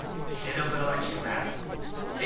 出どころは聞くな。